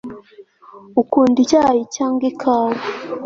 ukunda icyayi cyangwa ikawa